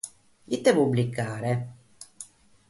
Ite publicare?